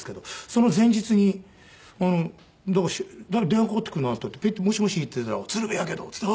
その前日に電話かかってくるなと思ってピッて「もしもし」って出たら「鶴瓶やけど」って言って。